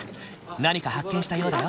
何か発見したようだよ。